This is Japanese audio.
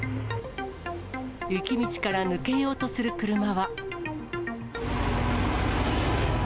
雪道から抜けようとする車は。